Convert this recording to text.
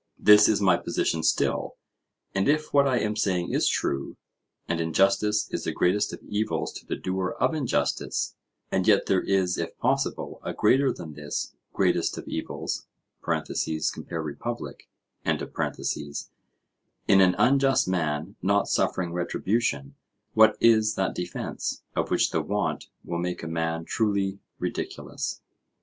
This is my position still, and if what I am saying is true, and injustice is the greatest of evils to the doer of injustice, and yet there is if possible a greater than this greatest of evils (compare Republic), in an unjust man not suffering retribution, what is that defence of which the want will make a man truly ridiculous?